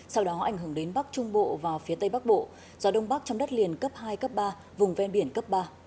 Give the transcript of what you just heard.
sau đó ảnh hưởng đến bắc trung bộ và phía tây bắc bộ gió đông bắc trong đất liền cấp hai cấp ba vùng ven biển cấp ba